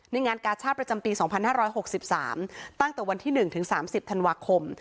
ในงานกาชาประจำปีสองพันห้าร้อยหกสิบสามตั้งแต่วันที่หนึ่งถึงสามสิบธันวาคม